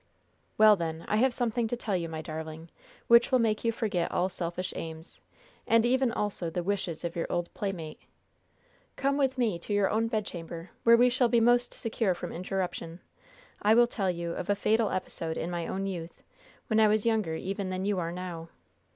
"Well, then, I have something to tell you, my darling, which will make you forget all selfish aims, and even also the wishes of your old playmate. Come with me to your own bedchamber, where we shall be most secure from interruption. I will tell you of a fatal episode in my own youth, when I was younger even than you are now.